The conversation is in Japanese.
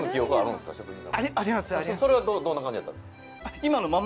それはどんな感じやったんですか？